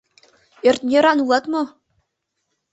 Ӧртньӧран улыт мо?